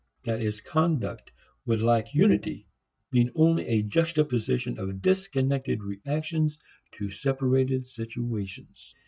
That is, conduct would lack unity being only a juxtaposition of disconnected reactions to separated situations.